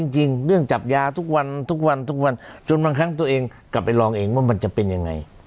จริงดึงจับยาทุกวันทุกวันสุดเหงื่อนั่งที่ตัวเองกลับไปลองเองว่ามันจะเป็นยังไง